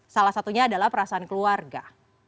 salah satunya adalah perasaan keluarga